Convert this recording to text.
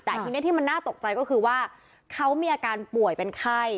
แต่ทีนี้ที่มันน่าตกใจก็คือว่าเขามีอาการป่วยเป็นไข้